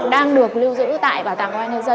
đang được lưu giữ tại bảo tàng hoa an hân dân